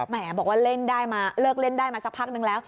แหมบอกว่าเลิกเล่นได้มาสักพักหนึ่งแล้ว